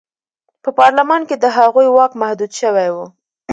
په پارلمان کې د هغوی واک محدود شوی و.